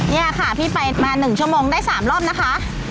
นี่ค่ะพี่ไปมา๑ชั่วโมงได้๓รอบนะคะ